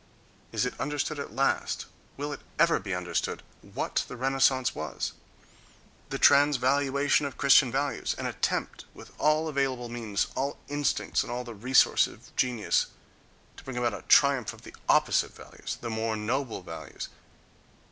Is it understood at last, will it ever be understood, what the Renaissance was? The transvaluation of Christian values,—an attempt with all available means, all instincts and all the resources of genius to bring about a triumph of the opposite values, the more noble values....